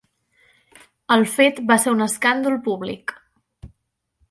El fet va ser un escàndol públic.